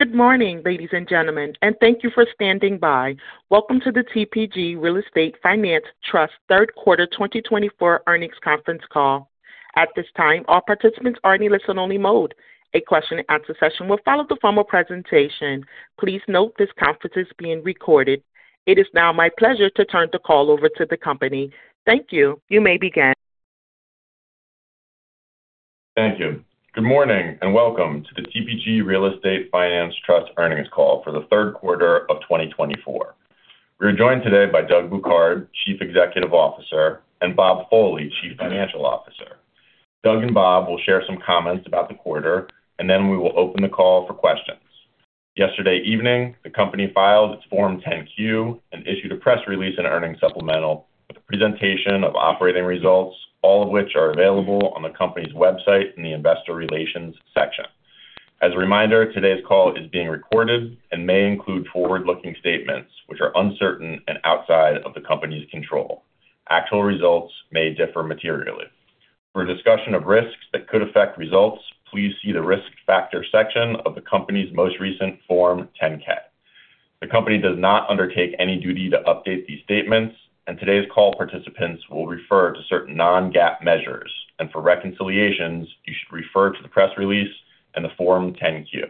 Good morning, ladies and gentlemen, and thank you for standing by. Welcome to the TPG RE Finance Trust third quarter 2024 Earnings Conference Call. At this time, all participants are in a listen-only mode. A question-and-answer session will follow the formal presentation. Please note this conference is being recorded. It is now my pleasure to turn the call over to the company. Thank you. You may begin. Thank you. Good morning and welcome to the TPG RE Finance Trust Earnings Call for the third quarter of 2024. We are joined today by Doug Bouquard, Chief Executive Officer, and Bob Foley, Chief Financial Officer. Doug and Bob will share some comments about the quarter, and then we will open the call for questions. Yesterday evening, the company filed its Form 10-Q and issued a press release and earnings supplemental with a presentation of operating results, all of which are available on the company's website in the Investor Relations section. As a reminder, today's call is being recorded and may include forward-looking statements which are uncertain and outside of the company's control. Actual results may differ materially. For discussion of risks that could affect results, please see the Risk Factors section of the company's most recent Form 10-K. The company does not undertake any duty to update these statements, and today's call participants will refer to certain non-GAAP measures, and for reconciliations, you should refer to the press release and the Form 10-Q.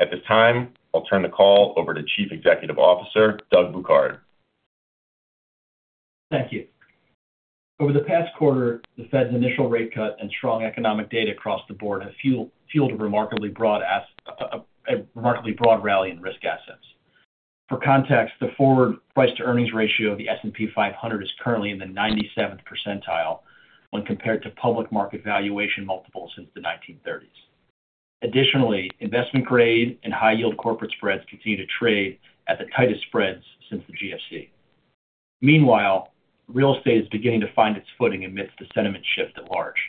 At this time, I'll turn the call over to Chief Executive Officer, Doug Bouquard. Thank you. Over the past quarter, the Fed's initial rate cut and strong economic data across the board have fueled a remarkably broad rally in risk assets. For context, the forward price-to-earnings ratio of the S&P 500 is currently in the 97th percentile when compared to public market valuation multiples since the 1930s. Additionally, investment-grade and high-yield corporate spreads continue to trade at the tightest spreads since the GFC. Meanwhile, real estate is beginning to find its footing amidst the sentiment shift at large.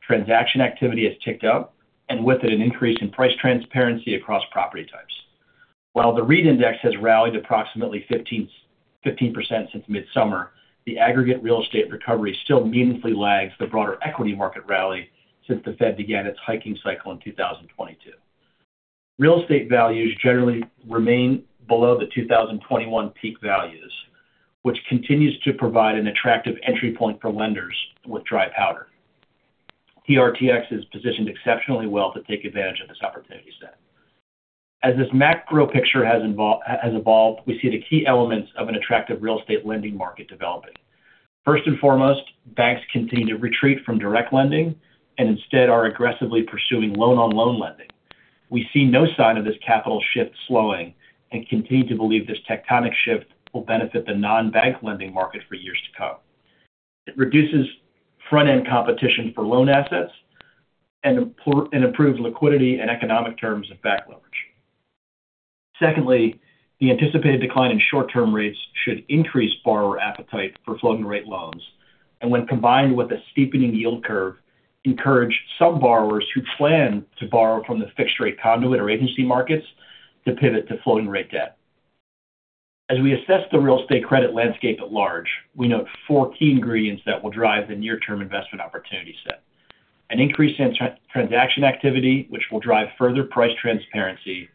Transaction activity has ticked up, and with it, an increase in price transparency across property types. While the REIT index has rallied approximately 15% since mid-summer, the aggregate real estate recovery still meaningfully lags the broader equity market rally since the Fed began its hiking cycle in 2022. Real estate values generally remain below the 2021 peak values, which continues to provide an attractive entry point for lenders with dry powder. TRTX is positioned exceptionally well to take advantage of this opportunity set. As this macro picture has evolved, we see the key elements of an attractive real estate lending market developing. First and foremost, banks continue to retreat from direct lending and instead are aggressively pursuing loan-on-loan lending. We see no sign of this capital shift slowing and continue to believe this tectonic shift will benefit the non-bank lending market for years to come. It reduces front-end competition for loan assets and improves liquidity and economic terms of back leverage. Secondly, the anticipated decline in short-term rates should increase borrower appetite for floating-rate loans and, when combined with a steepening yield curve, encourage some borrowers who plan to borrow from the fixed-rate conduit or agency markets to pivot to floating-rate debt. As we assess the real estate credit landscape at large, we note four key ingredients that will drive the near-term investment opportunity set: an increase in transaction activity, which will drive further price transparency,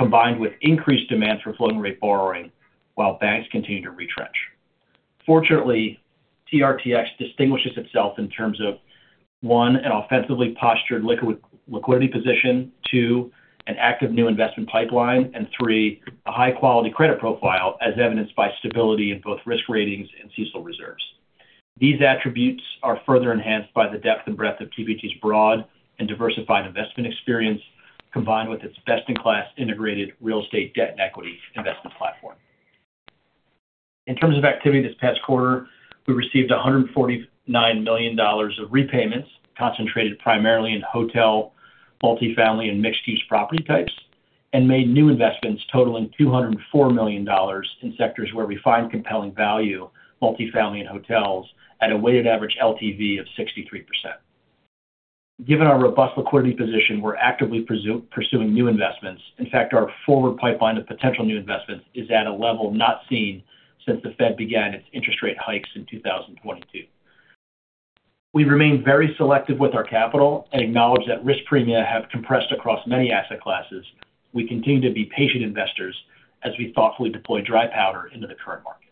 combined with increased demand for floating-rate borrowing while banks continue to retrench. Fortunately, TRTX distinguishes itself in terms of one, an offensively postured liquidity position, two, an active new investment pipeline, and three, a high-quality credit profile as evidenced by stability in both risk ratings and CECL reserves. These attributes are further enhanced by the depth and breadth of TPG's broad and diversified investment experience, combined with its best-in-class integrated real estate debt and equity investment platform. In terms of activity this past quarter, we received $149 million of repayments concentrated primarily in hotel, multifamily, and mixed-use property types and made new investments totaling $204 million in sectors where we find compelling value, multifamily, and hotels at a weighted average LTV of 63%. Given our robust liquidity position, we're actively pursuing new investments. In fact, our forward pipeline of potential new investments is at a level not seen since the Fed began its interest rate hikes in 2022. We remain very selective with our capital and acknowledge that risk premiums have compressed across many asset classes. We continue to be patient investors as we thoughtfully deploy dry powder into the current market.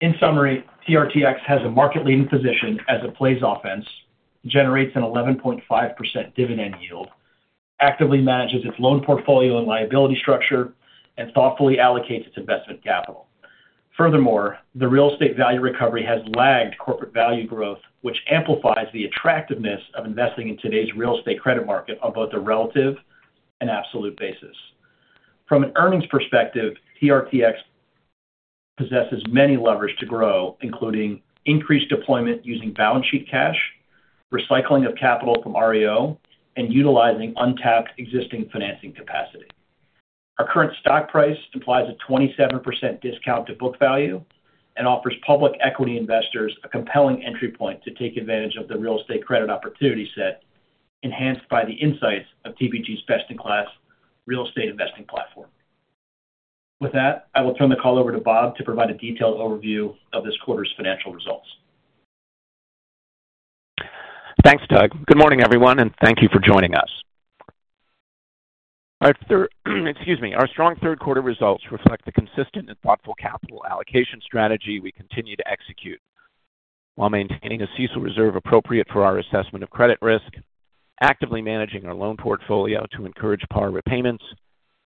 In summary, TRTX has a market-leading position as it plays offense, generates an 11.5% dividend yield, actively manages its loan portfolio and liability structure, and thoughtfully allocates its investment capital. Furthermore, the real estate value recovery has lagged corporate value growth, which amplifies the attractiveness of investing in today's real estate credit market on both a relative and absolute basis. From an earnings perspective, TRTX possesses many levers to grow, including increased deployment using balance sheet cash, recycling of capital from REO, and utilizing untapped existing financing capacity. Our current stock price implies a 27% discount to book value and offers public equity investors a compelling entry point to take advantage of the real estate credit opportunity set enhanced by the insights of TPG's best-in-class real estate investing platform. With that, I will turn the call over to Bob to provide a detailed overview of this quarter's financial results. Thanks, Doug. Good morning, everyone, and thank you for joining us. Excuse me. Our strong third-quarter results reflect the consistent and thoughtful capital allocation strategy we continue to execute while maintaining a CECL reserve appropriate for our assessment of credit risk, actively managing our loan portfolio to encourage borrower repayments,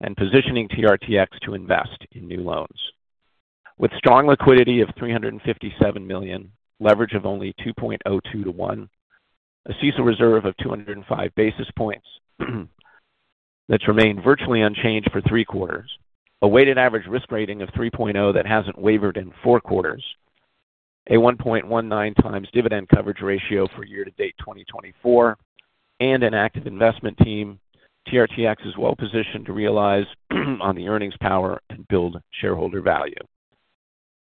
and positioning TRTX to invest in new loans. With strong liquidity of $357 million, leverage of only 2.02 to one, a CECL reserve of 205 basis points that's remained virtually unchanged for three quarters, a weighted average risk rating of 3.0 that hasn't wavered in four quarters, a 1.19 times dividend coverage ratio for year-to-date 2024, and an active investment team, TRTX is well-positioned to realize on the earnings power and build shareholder value.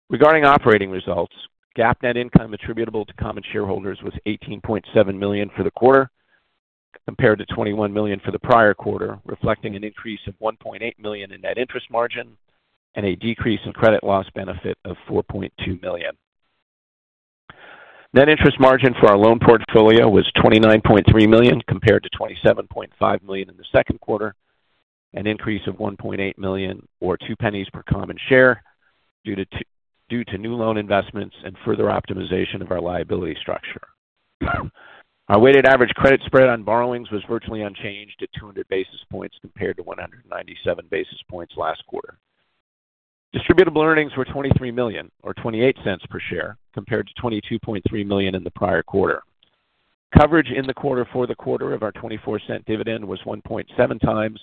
Regarding operating results, GAAP net income attributable to common shareholders was $18.7 million for the quarter compared to $21 million for the prior quarter, reflecting an increase of $1.8 million in net interest margin and a decrease in credit loss benefit of $4.2 million. Net interest margin for our loan portfolio was $29.3 million compared to $27.5 million in the second quarter, an increase of $1.8 million or $0.02 per common share due to new loan investments and further optimization of our liability structure. Our weighted average credit spread on borrowings was virtually unchanged at 200 basis points compared to 197 basis points last quarter. Distributable earnings were $23 million or $0.28 per share compared to $22.3 million in the prior quarter. Coverage in the quarter for the quarter of our $0.24 dividend was 1.7 times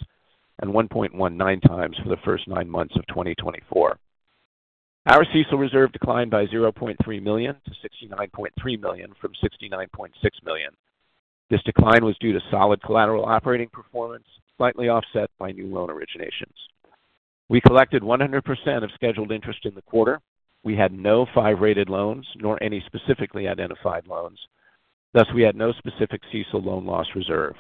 and 1.19 times for the first nine months of 2024. Our CECL reserve declined by $0.3 million to $69.3 million from $69.6 million. This decline was due to solid collateral operating performance slightly offset by new loan originations. We collected 100% of scheduled interest in the quarter. We had no five-rated loans nor any specifically identified loans. Thus, we had no specific CECL loan loss reserve.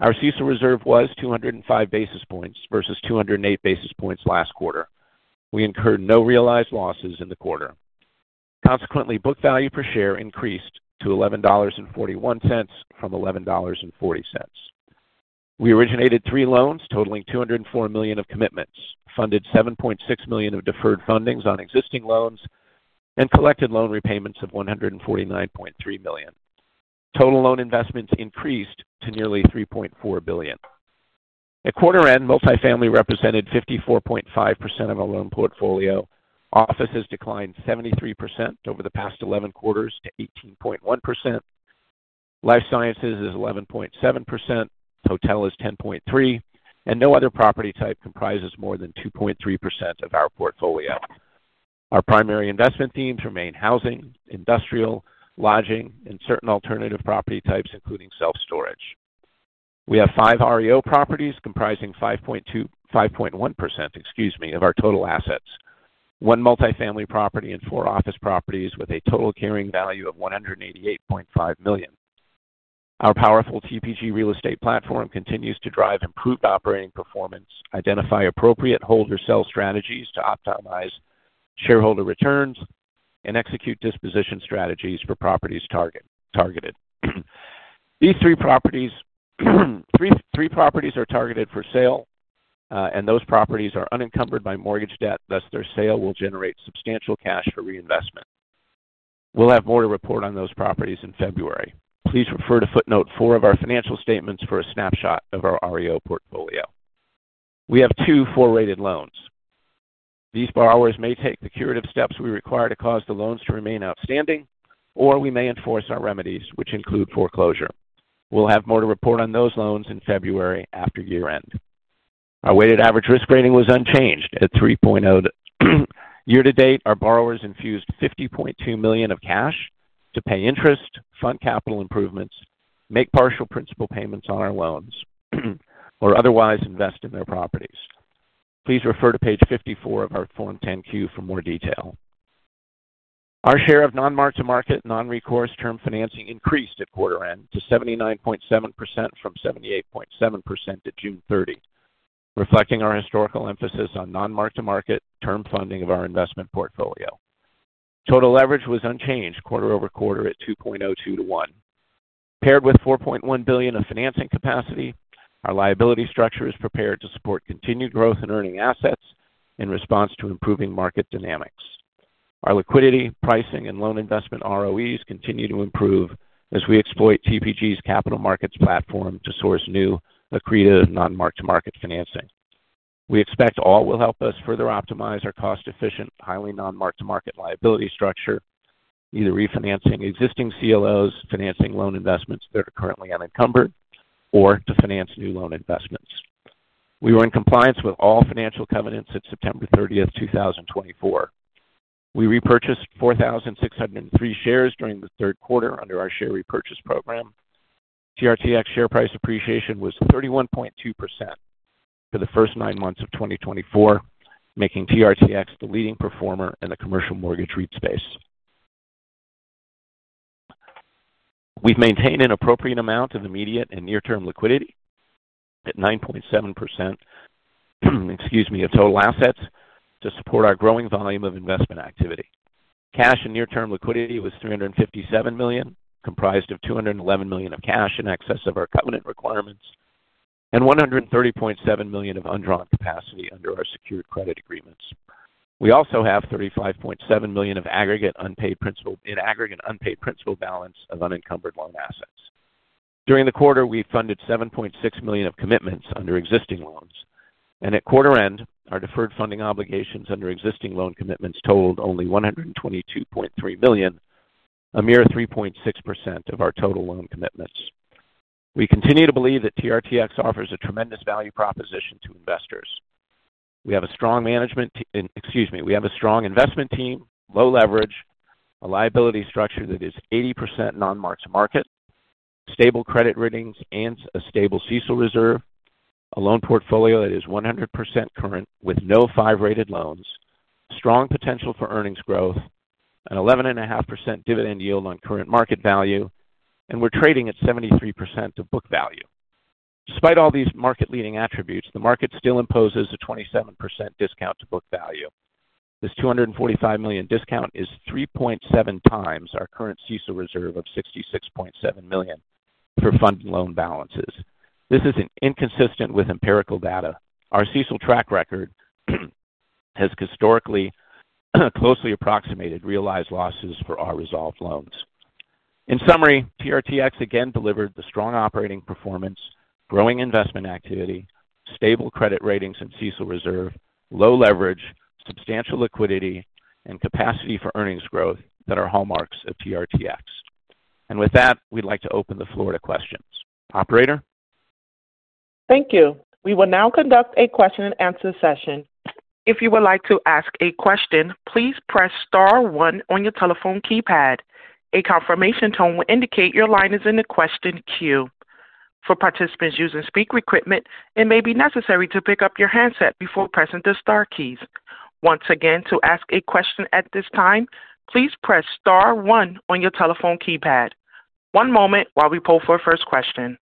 Our CECL reserve was 205 basis points versus 208 basis points last quarter. We incurred no realized losses in the quarter. Consequently, book value per share increased to $11.41 from $11.40. We originated three loans totaling $204 million of commitments, funded $7.6 million of deferred fundings on existing loans, and collected loan repayments of $149.3 million. Total loan investments increased to nearly $3.4 billion. At quarter end, multifamily represented 54.5% of our loan portfolio. Offices declined 73% over the past 11 quarters to 18.1%. Life sciences is 11.7%. Hotel is 10.3%. No other property type comprises more than 2.3% of our portfolio. Our primary investment themes remain housing, industrial, lodging, and certain alternative property types, including self-storage. We have five REO properties comprising 5.1% of our total assets, one multifamily property, and four office properties with a total carrying value of $188.5 million. Our powerful TPG real estate platform continues to drive improved operating performance, identify appropriate hold or sell strategies to optimize shareholder returns, and execute disposition strategies for properties targeted. These three properties are targeted for sale, and those properties are unencumbered by mortgage debt. Thus, their sale will generate substantial cash for reinvestment. We'll have more to report on those properties in February. Please refer to footnote four of our financial statements for a snapshot of our REO portfolio. We have two four-rated loans. These borrowers may take the curative steps we require to cause the loans to remain outstanding, or we may enforce our remedies, which include foreclosure. We'll have more to report on those loans in February after year-end. Our weighted average risk rating was unchanged at 3.0. Year-to-date, our borrowers infused $50.2 million of cash to pay interest, fund capital improvements, make partial principal payments on our loans, or otherwise invest in their properties. Please refer to page 54 of our Form 10-Q for more detail. Our share of non-mark-to-market, non-recourse term financing increased at quarter end to 79.7% from 78.7% at June 30, reflecting our historical emphasis on non-mark-to-market term funding of our investment portfolio. Total leverage was unchanged quarter over quarter at 2.02 to 1. Paired with $4.1 billion of financing capacity, our liability structure is prepared to support continued growth in earning assets in response to improving market dynamics. Our liquidity, pricing, and loan investment ROEs continue to improve as we exploit TPG's capital markets platform to source new accretive non-mark-to-market financing. We expect all will help us further optimize our cost-efficient, highly non-mark-to-market liability structure, either refinancing existing CLOs, financing loan investments that are currently unencumbered, or to finance new loan investments. We were in compliance with all financial covenants at September 30, 2024. We repurchased 4,603 shares during the third quarter under our share repurchase program. TRTX share price appreciation was 31.2% for the first nine months of 2024, making TRTX the leading performer in the commercial mortgage REIT space. We've maintained an appropriate amount of immediate and near-term liquidity at 9.7% of total assets to support our growing volume of investment activity. Cash and near-term liquidity was $357 million, comprised of $211 million of cash in excess of our covenant requirements and $130.7 million of undrawn capacity under our secured credit agreements. We also have $35.7 million of aggregate unpaid principal balance of unencumbered loan assets. During the quarter, we funded $7.6 million of commitments under existing loans. At quarter end, our deferred funding obligations under existing loan commitments totaled only $122.3 million, a mere 3.6% of our total loan commitments. We continue to believe that TRTX offers a tremendous value proposition to investors. We have a strong management, excuse me, we have a strong investment team, low leverage, a liability structure that is 80% non-mark-to-market, stable credit ratings, and a stable CECL reserve, a loan portfolio that is 100% current with no five-rated loans, strong potential for earnings growth, an 11.5% dividend yield on current market value, and we're trading at 73% of book value. Despite all these market-leading attributes, the market still imposes a 27% discount to book value. This $245 million discount is 3.7 times our current CECL reserve of $66.7 million for funded loan balances. This is inconsistent with empirical data. Our CECL track record has historically closely approximated realized losses for our resolved loans. In summary, TRTX again delivered the strong operating performance, growing investment activity, stable credit ratings and CECL reserve, low leverage, substantial liquidity, and capacity for earnings growth that are hallmarks of TRTX. With that, we'd like to open the floor to questions. Operator? Thank you. We will now conduct a question-and-answer session. If you would like to ask a question, please press star one on your telephone keypad. A confirmation tone will indicate your line is in the question queue. For participants using speaker equipment, it may be necessary to pick up your handset before pressing the star keys. Once again, to ask a question at this time, please press star one on your telephone keypad. One moment while we pull for a first question.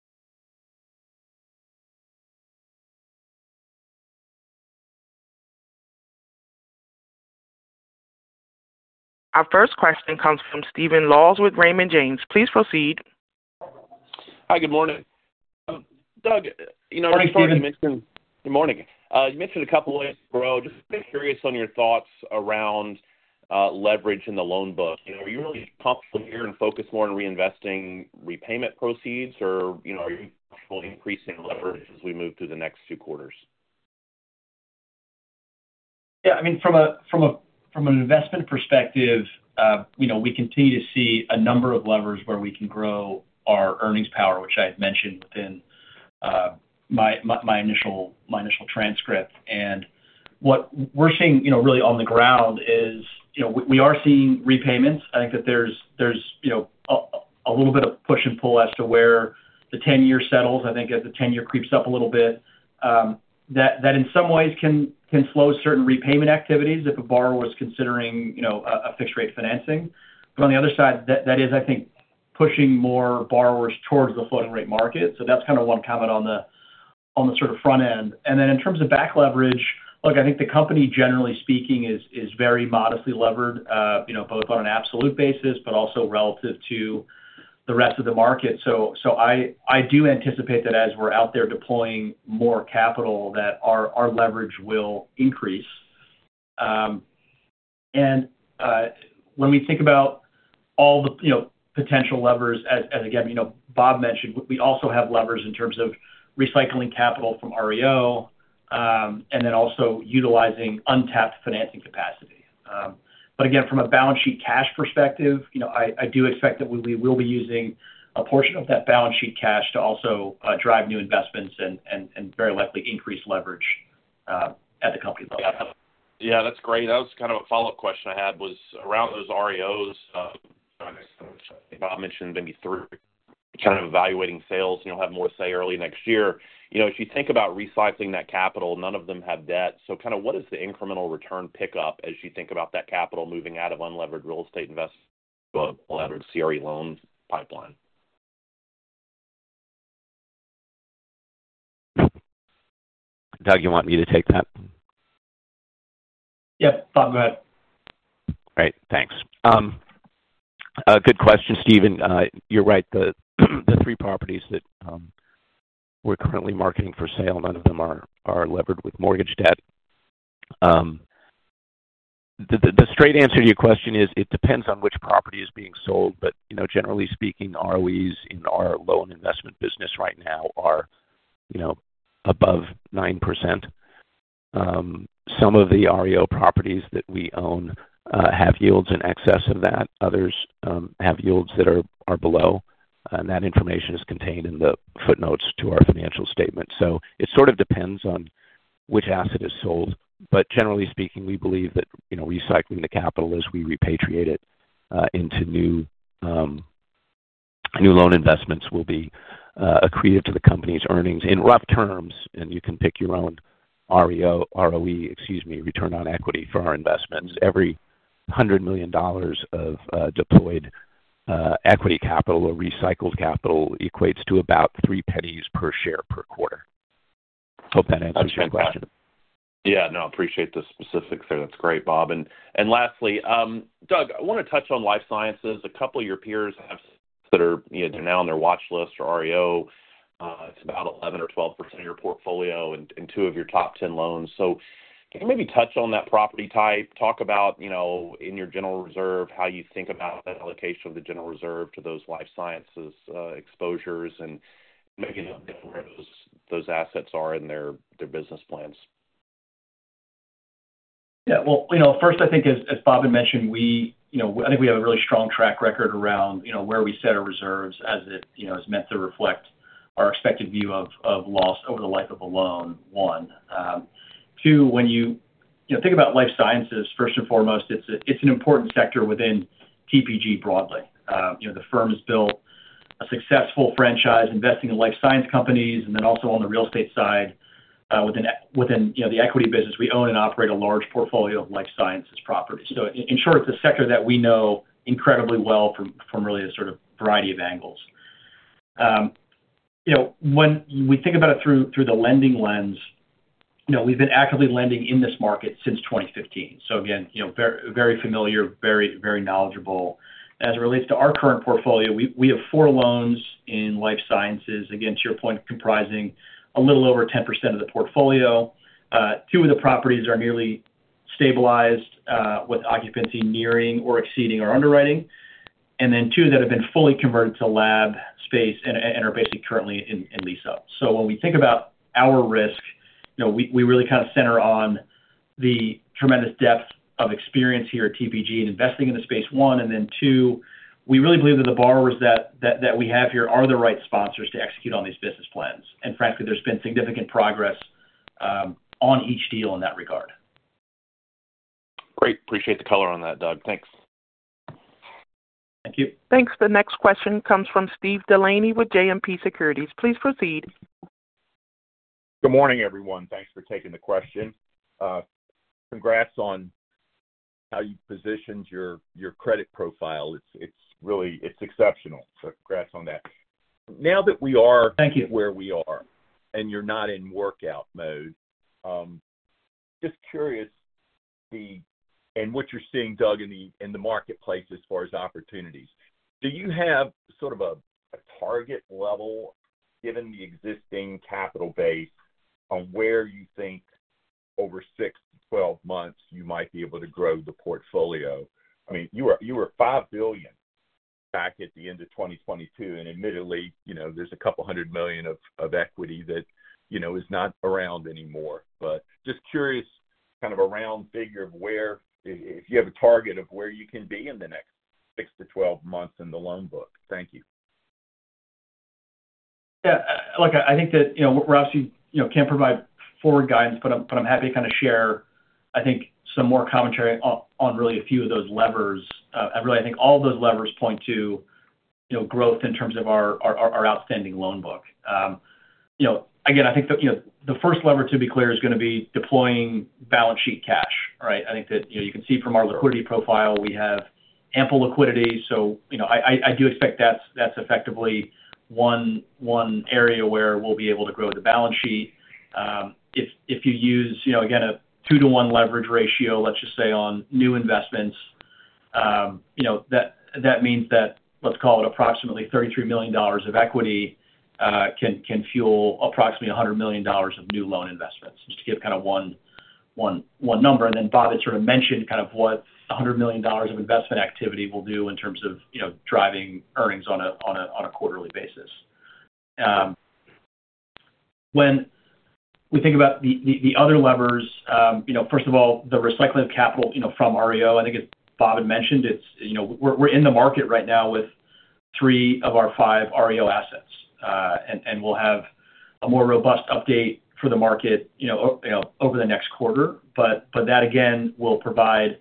Our first question comes from Stephen Laws with Raymond James. Please proceed. Hi, good morning. Doug, you know. Morning, Stephen. Good morning. You mentioned a couple of ways to grow. Just curious on your thoughts around leverage in the loan book. Are you really comfortable here and focus more on reinvesting repayment proceeds, or are you comfortable increasing leverage as we move through the next two quarters? Yeah. I mean, from an investment perspective, we continue to see a number of levers where we can grow our earnings power, which I had mentioned within my initial transcript, and what we're seeing really on the ground is we are seeing repayments. I think that there's a little bit of push and pull as to where the 10-year settles. I think as the 10-year creeps up a little bit, that in some ways can slow certain repayment activities if a borrower was considering a fixed-rate financing, but on the other side, that is, I think, pushing more borrowers towards the floating-rate market, so that's kind of one comment on the sort of front end, and then in terms of back leverage, look, I think the company, generally speaking, is very modestly levered, both on an absolute basis, but also relative to the rest of the market. So I do anticipate that as we're out there deploying more capital, that our leverage will increase. And when we think about all the potential levers, as again, Bob mentioned, we also have levers in terms of recycling capital from REO and then also utilizing untapped financing capacity. But again, from a balance sheet cash perspective, I do expect that we will be using a portion of that balance sheet cash to also drive new investments and very likely increase leverage at the company level. Yeah, that's great. That was kind of a follow-up question I had was around those REOs. Bob mentioned maybe three. Kind of evaluating sales and you'll have more say early next year. If you think about recycling that capital, none of them have debt. So kind of what is the incremental return pickup as you think about that capital moving out of unlevered real estate investment to a levered CRE loan pipeline? Doug, you want me to take that? Yep. Bob, go ahead. Great. Thanks. Good question, Stephen. You're right. The three properties that we're currently marketing for sale, none of them are levered with mortgage debt. The straight answer to your question is it depends on which property is being sold. But generally speaking, ROEs in our loan investment business right now are above 9%. Some of the REO properties that we own have yields in excess of that. Others have yields that are below. And that information is contained in the footnotes to our financial statement. So it sort of depends on which asset is sold. But generally speaking, we believe that recycling the capital as we repatriate it into new loan investments will be accretive to the company's earnings in rough terms. And you can pick your own REO, ROE, excuse me, return on equity for our investments. Every $100 million of deployed equity capital or recycled capital equates to about $0.03 per share per quarter. Hope that answers your question. Yeah. No, I appreciate the specifics there. That's great, Bob. And lastly, Doug, I want to touch on life sciences. A couple of your peers have that are now on their watch list for REO. It's about 11 or 12% of your portfolio in two of your top 10 loans. So can you maybe touch on that property type, talk about in your general reserve, how you think about that allocation of the general reserve to those life sciences exposures and maybe where those assets are in their business plans? Yeah. Well, first, I think, as Bob had mentioned, I think we have a really strong track record around where we set our reserves as it is meant to reflect our expected view of loss over the life of a loan, one. Two, when you think about life sciences, first and foremost, it's an important sector within TPG broadly. The firm has built a successful franchise investing in life science companies and then also on the real estate side within the equity business. We own and operate a large portfolio of life sciences properties. So in short, it's a sector that we know incredibly well from really a sort of variety of angles. When we think about it through the lending lens, we've been actively lending in this market since 2015. So again, very familiar, very knowledgeable. As it relates to our current portfolio, we have four loans in life sciences, again, to your point, comprising a little over 10% of the portfolio. Two of the properties are nearly stabilized with occupancy nearing or exceeding our underwriting. And then two that have been fully converted to lab space and are basically currently in lease-up. So when we think about our risk, we really kind of center on the tremendous depth of experience here at TPG in investing in the space, one. And then two, we really believe that the borrowers that we have here are the right sponsors to execute on these business plans. And frankly, there's been significant progress on each deal in that regard. Great. Appreciate the color on that, Doug. Thanks. Thank you. Thanks. The next question comes from Steven Delaney with JMP Securities. Please proceed. Good morning, everyone. Thanks for taking the question. Congrats on how you positioned your credit profile. It's exceptional. So congrats on that. Now that we are where we are and you're not in workout mode, just curious and what you're seeing, Doug, in the marketplace as far as opportunities. Do you have sort of a target level, given the existing capital base, on where you think over six to 12 months you might be able to grow the portfolio? I mean, you were $5 billion back at the end of 2022, and admittedly, there's a couple hundred million of equity that is not around anymore. But just curious kind of a round figure of where if you have a target of where you can be in the next six to 12 months in the loan book. Thank you. Yeah. Look, I think that we obviously can't provide forward guidance, but I'm happy to kind of share, I think, some more commentary on really a few of those levers. I really think all of those levers point to growth in terms of our outstanding loan book. Again, I think the first lever, to be clear, is going to be deploying balance sheet cash, right? I think that you can see from our liquidity profile, we have ample liquidity. So I do expect that's effectively one area where we'll be able to grow the balance sheet. If you use, again, a two-to-one leverage ratio, let's just say on new investments, that means that let's call it approximately $33 million of equity can fuel approximately $100 million of new loan investments, just to give kind of one number. And then Bob had sort of mentioned kind of what $100 million of investment activity will do in terms of driving earnings on a quarterly basis. When we think about the other levers, first of all, the recycling of capital from REO, I think Bob had mentioned we're in the market right now with three of our five REO assets. And we'll have a more robust update for the market over the next quarter. But that, again, will provide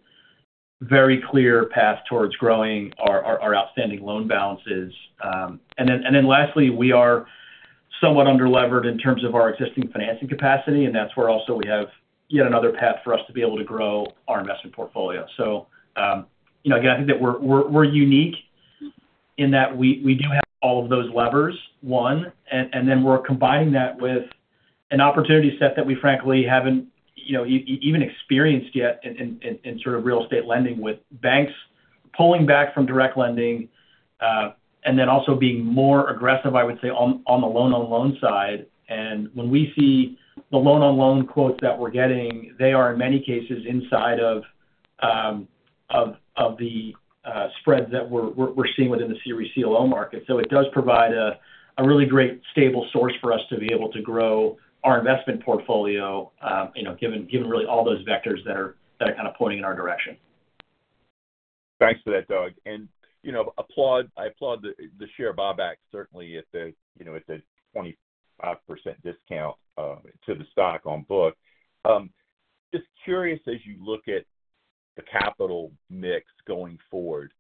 a very clear path towards growing our outstanding loan balances. And then lastly, we are somewhat underlevered in terms of our existing financing capacity. And that's where also we have yet another path for us to be able to grow our investment portfolio. So again, I think that we're unique in that we do have all of those levers, one. And then we're combining that with an opportunity set that we, frankly, haven't even experienced yet in sort of real estate lending with banks pulling back from direct lending and then also being more aggressive, I would say, on the loan-on-loan side. And when we see the loan-on-loan quotes that we're getting, they are in many cases inside of the spreads that we're seeing within the CRE CLO market. So it does provide a really great stable source for us to be able to grow our investment portfolio, given really all those vectors that are kind of pointing in our direction. Thanks for that, Doug. And I applaud the share buyback, certainly, at the 25% discount to the stock on book. Just curious, as you look at the capital mix going forward,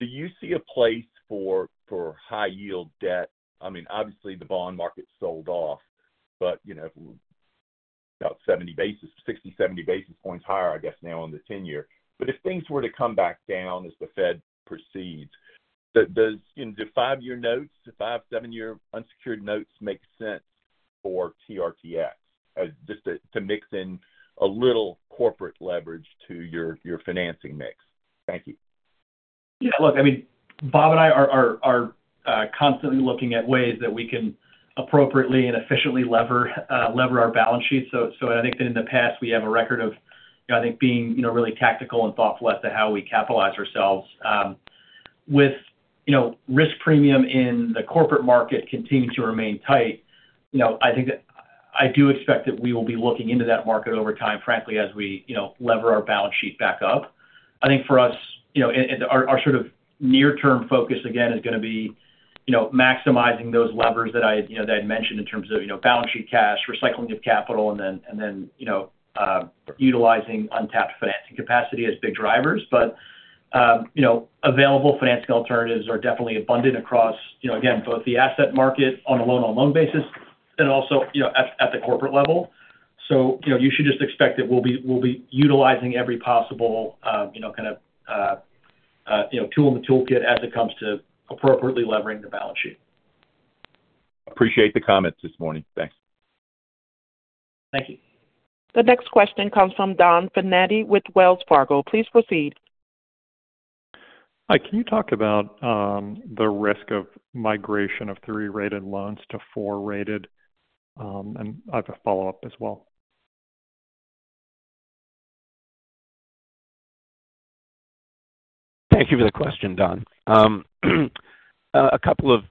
do you see a place for high-yield debt? I mean, obviously, the bond market sold off, but about 60, 70 basis points higher, I guess, now on the 10-year. But if things were to come back down as the Fed proceeds, do five-year notes, the five to seven-year unsecured notes make sense for TRTX, just to mix in a little corporate leverage to your financing mix? Thank you. Yeah. Look, I mean, Bob and I are constantly looking at ways that we can appropriately and efficiently lever our balance sheets. So I think that in the past, we have a record of, I think, being really tactical and thoughtful as to how we capitalize ourselves. With risk premium in the corporate market continuing to remain tight, I think that I do expect that we will be looking into that market over time, frankly, as we lever our balance sheet back up. I think for us, our sort of near-term focus, again, is going to be maximizing those levers that I had mentioned in terms of balance sheet cash, recycling of capital, and then utilizing untapped financing capacity as big drivers. But available financing alternatives are definitely abundant across, again, both the asset market on a loan-on-loan basis and also at the corporate level. So you should just expect that we'll be utilizing every possible kind of tool in the toolkit as it comes to appropriately levering the balance sheet. Appreciate the comments this morning. Thanks. Thank you. The next question comes from Donald Fandetti with Wells Fargo. Please proceed. Hi. Can you talk about the risk of migration of three-rated loans to four-rated? And I have a follow-up as well. Thank you for the question, Don. A couple of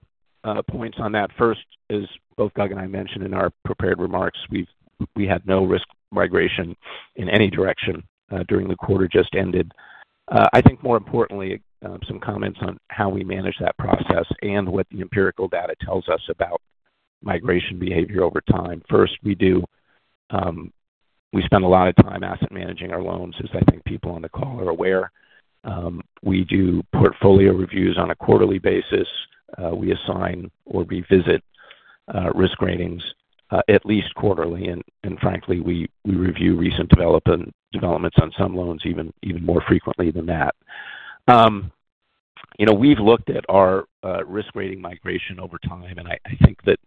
points on that. First is, both Doug and I mentioned in our prepared remarks, we had no risk migration in any direction during the quarter just ended. I think more importantly, some comments on how we manage that process and what the empirical data tells us about migration behavior over time. First, we spend a lot of time asset managing our loans, as I think people on the call are aware. We do portfolio reviews on a quarterly basis. We assign or revisit risk ratings at least quarterly. And frankly, we review recent developments on some loans even more frequently than that. We've looked at our risk-rating migration over time. I think that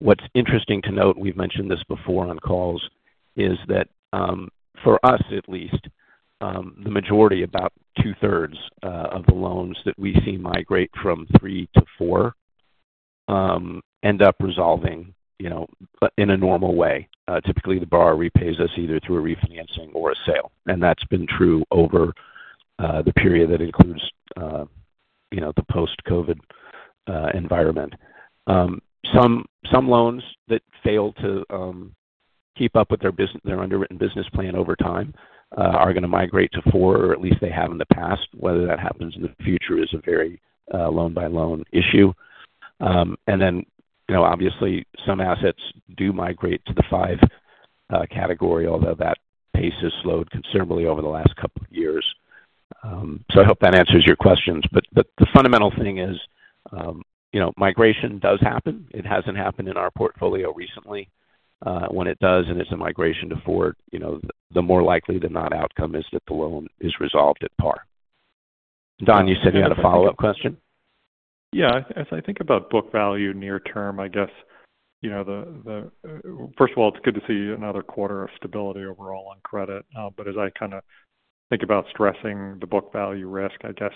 what's interesting to note, we've mentioned this before on calls, is that for us, at least, the majority, about two-thirds of the loans that we see migrate from three to four end up resolving in a normal way. Typically, the borrower repays us either through a refinancing or a sale. That's been true over the period that includes the post-COVID environment. Some loans that fail to keep up with their underwritten business plan over time are going to migrate to four, or at least they have in the past. Whether that happens in the future is a very loan-by-loan issue. Then, obviously, some assets do migrate to the five category, although that pace has slowed considerably over the last couple of years. I hope that answers your questions. The fundamental thing is migration does happen. It hasn't happened in our portfolio recently. When it does, and it's a migration to four, the more likely than not outcome is that the loan is resolved at par. Don, you said you had a follow-up question? Yeah. As I think about book value near term, I guess, first of all, it's good to see another quarter of stability overall on credit. But as I kind of think about stressing the book value risk, I guess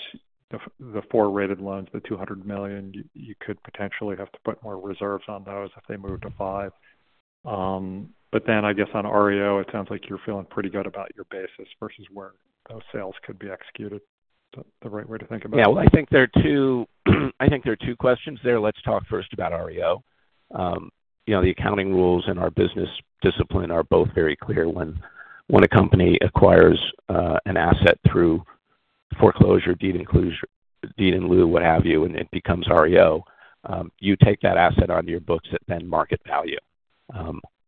the four-rated loans, the $200 million, you could potentially have to put more reserves on those if they move to five. But then, I guess, on REO, it sounds like you're feeling pretty good about your basis versus where those sales could be executed. Is that the right way to think about it? Yeah. I think there are two questions there. Let's talk first about REO. The accounting rules and our business discipline are both very clear. When a company acquires an asset through foreclosure, deed-in-lieu, what have you, and it becomes REO, you take that asset onto your books at then market value.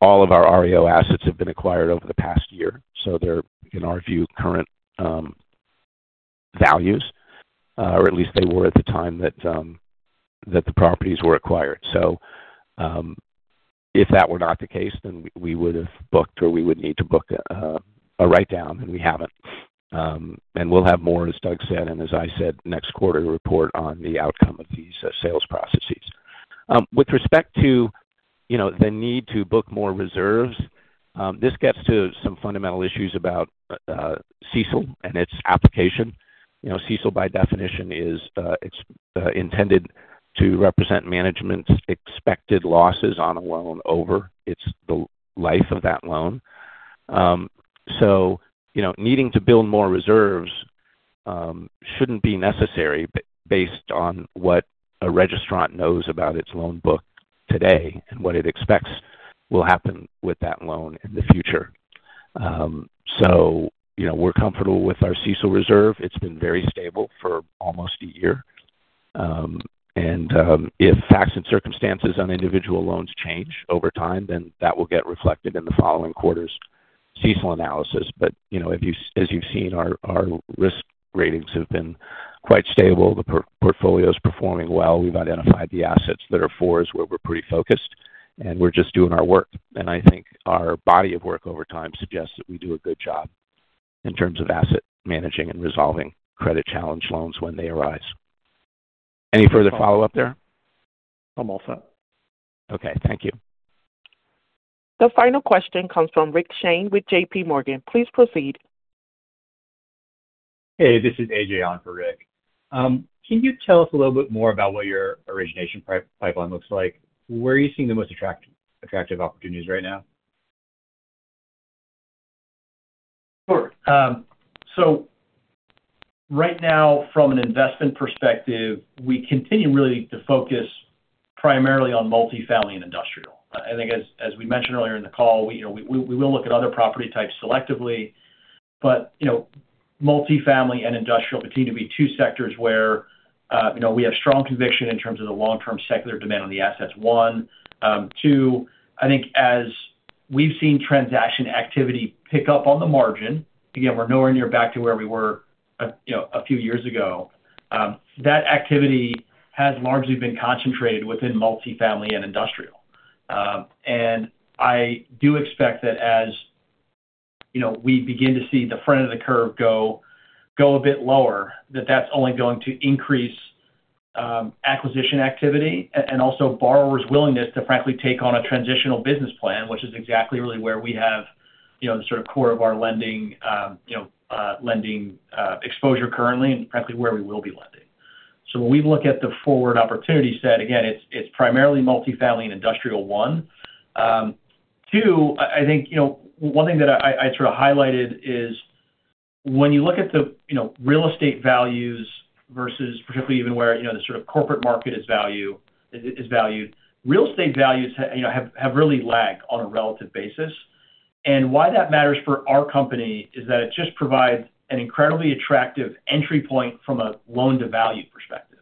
All of our REO assets have been acquired over the past year. So they're, in our view, current values, or at least they were at the time that the properties were acquired. So if that were not the case, then we would have booked or we would need to book a write-down, and we haven't, and we'll have more, as Doug said, and as I said, next quarter report on the outcome of these sales processes. With respect to the need to book more reserves, this gets to some fundamental issues about CECL and its application. CECL, by definition, is intended to represent management's expected losses on a loan over its life of that loan, so needing to build more reserves shouldn't be necessary based on what a registrant knows about its loan book today and what it expects will happen with that loan in the future, so we're comfortable with our CECL reserve. It's been very stable for almost a year, and if facts and circumstances on individual loans change over time, then that will get reflected in the following quarter's CECL analysis, but as you've seen, our risk ratings have been quite stable. The portfolio is performing well. We've identified the assets that are 4s where we're pretty focused, and we're just doing our work. I think our body of work over time suggests that we do a good job in terms of asset managing and resolving credit challenge loans when they arise. Any further follow-up there? I'm all set. Okay. Thank you. The final question comes from Rick Shane with JPMorgan. Please proceed. Hey, this is AJ on for Rick. Can you tell us a little bit more about what your origination pipeline looks like? Where are you seeing the most attractive opportunities right now? Sure. So right now, from an investment perspective, we continue really to focus primarily on multifamily and industrial. I think, as we mentioned earlier in the call, we will look at other property types selectively. But multifamily and industrial continue to be two sectors where we have strong conviction in terms of the long-term secular demand on the assets. One. Two, I think as we've seen transaction activity pick up on the margin, again, we're nowhere near back to where we were a few years ago, that activity has largely been concentrated within multifamily and industrial. And I do expect that as we begin to see the front of the curve go a bit lower, that that's only going to increase acquisition activity and also borrowers' willingness to, frankly, take on a transitional business plan, which is exactly really where we have the sort of core of our lending exposure currently and, frankly, where we will be lending. So when we look at the forward opportunity set, again, it's primarily multifamily and industrial, one. Two, I think one thing that I sort of highlighted is when you look at the real estate values versus particularly even where the sort of corporate market is valued, real estate values have really lagged on a relative basis. And why that matters for our company is that it just provides an incredibly attractive entry point from a loan-to-value perspective.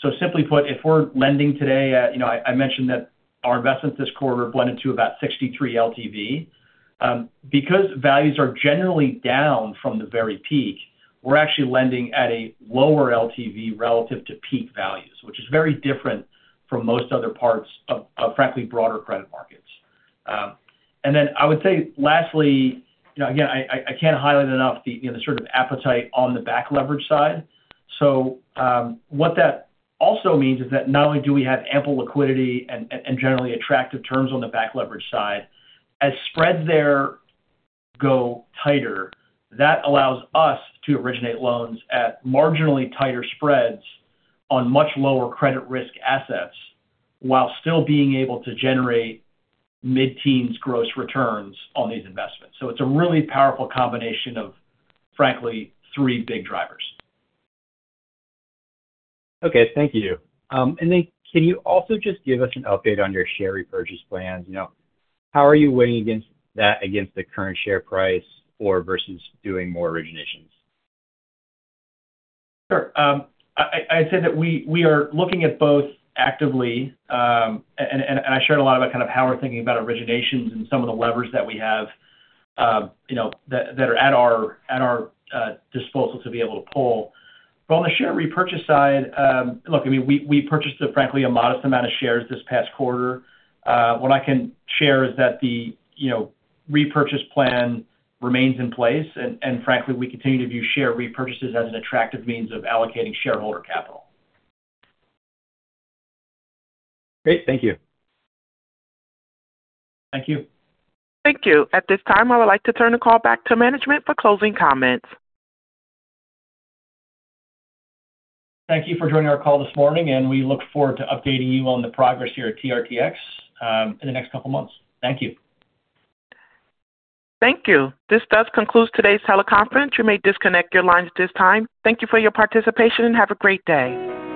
So simply put, if we're lending today at, I mentioned that our investment this quarter blended to about 63 LTV. Because values are generally down from the very peak, we're actually lending at a lower LTV relative to peak values, which is very different from most other parts of, frankly, broader credit markets. And then I would say, lastly, again, I can't highlight enough the sort of appetite on the back leverage side. So what that also means is that not only do we have ample liquidity and generally attractive terms on the back leverage side, as spreads there go tighter, that allows us to originate loans at marginally tighter spreads on much lower credit risk assets while still being able to generate mid-teens gross returns on these investments. So it's a really powerful combination of, frankly, three big drivers. Okay. Thank you. And then can you also just give us an update on your share repurchase plans? How are you weighing against that against the current share price versus doing more originations? Sure. I'd say that we are looking at both actively, and I shared a lot about kind of how we're thinking about originations and some of the levers that we have that are at our disposal to be able to pull, but on the share repurchase side, look, I mean, we purchased, frankly, a modest amount of shares this past quarter. What I can share is that the repurchase plan remains in place, and frankly, we continue to view share repurchases as an attractive means of allocating shareholder capital. Great. Thank you. Thank you. Thank you. At this time, I would like to turn the call back to management for closing comments. Thank you for joining our call this morning. And we look forward to updating you on the progress here at TRTX in the next couple of months. Thank you. Thank you. This does conclude today's teleconference. You may disconnect your lines at this time. Thank you for your participation and have a great day.